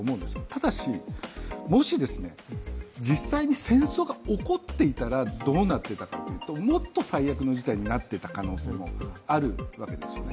ただし、もし、実際に戦争が起こっていたらどうなっていたかというと、もっと最悪の事態になっていた可能性もあるわけですよね。